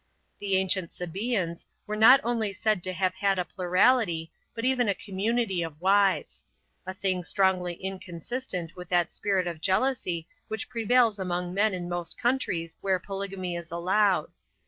The ancient Sabæans are not only said to have had a plurality, but even a community of wives; a thing strongly inconsistent with that spirit of jealousy which prevails among men in most countries where polygamy is allowed.